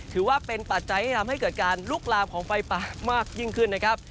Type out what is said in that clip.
ถือว่าเป็นปัจจัยที่ทำให้เกิดการลุกลามของไฟป่ามากยิ่งขึ้นนะครับ